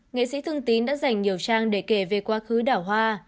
nghệ sĩ thương tín đã dành nhiều trang để kể về quá khứ đảo hoa